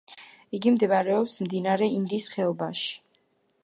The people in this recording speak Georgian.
იგი მდებარეობს მდინარე ინდის ხეობაში.